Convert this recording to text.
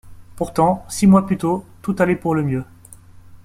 Pourtant, six mois plus tôt, tout allait pour le mieux.